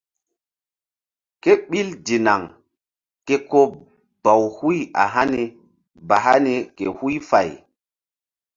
Kéɓil dinaŋ ke ko baw huy a hani ba hani ke huy fay.